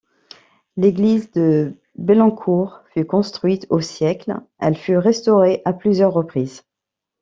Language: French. L'église de Bellancourt fut construite au siècle, elle fut restaurée à plusieurs reprises.